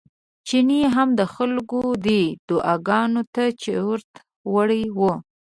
چيني هم د خلکو دې دعاګانو ته چورت وړی و.